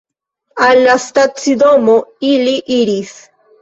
Al la stacidomo ili iris.